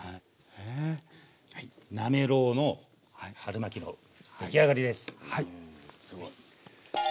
はいなめろうの春巻の出来上がりです。